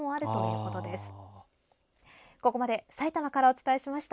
ここまでさいたまからお伝えしました。